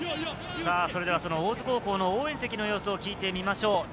それではその大津高校の応援席の様子を聞いてみましょう。